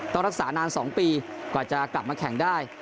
ต้องรักษานาน๒ปีกว่าจะกลับมาแข่งได้